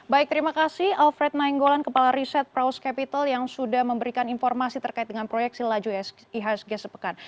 baik terima kasih alfred nainggolan kepala riset praus capital yang sudah memberikan informasi terkait dengan proyeksi laju ihsg sepekan